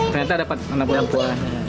ternyata dapat anak perempuan